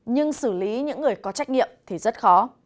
nhưng xử lý những người có trách nhiệm thì rất khó